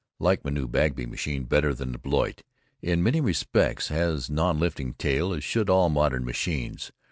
Like my new Bagby machine better than Blériot in many respects, has non lifting tail, as should all modern machines.